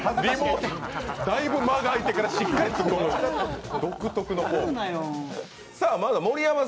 だいぶ間が開いてからしっかりツッコむ。